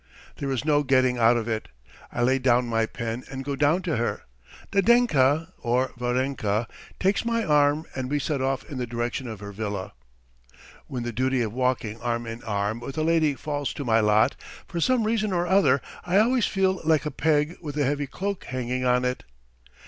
There is no getting out of it. I lay down my pen and go down to her. Nadenka (or Varenka) takes my arm and we set off in the direction of her villa. When the duty of walking arm in arm with a lady falls to my lot, for some reason or other I always feel like a peg with a heavy cloak hanging on it.